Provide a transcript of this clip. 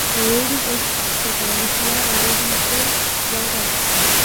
Euririk ez eta eguzkia nagusitzen joango da.